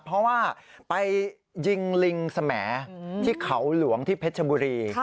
เพราะว่าไปยิงลิงสมที่เขาหลวงที่เพชรบุรี